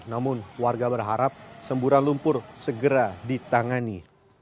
namun warga berharap semburan lumpur segera ditangani